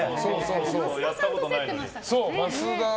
増田さんと競ってましたね。